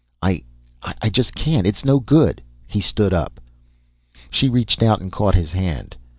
"I ... I just can't. It's no good." He stood up. She reached out and caught his hand.